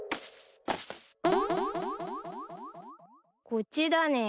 こっちだね。